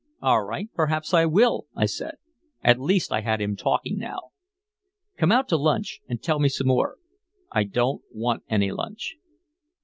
"All right, perhaps I will," I said. At least I had him talking now. "Come out to lunch and tell me some more." "I don't want any lunch."